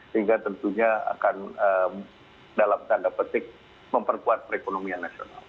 sehingga tentunya akan dalam tanda petik memperkuat perekonomian nasional